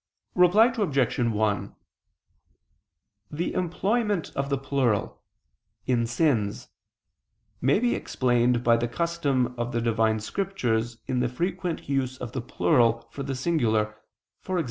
Reply Obj. 1: The employment of the plural "in sins" may be explained by the custom of the Divine Scriptures in the frequent use of the plural for the singular, e.g.